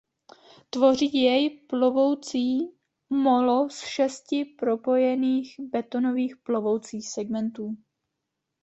Tvoří jej plovoucí molo z šesti propojených betonových plovoucích segmentů.